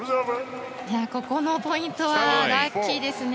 ここのポイントはラッキーですね。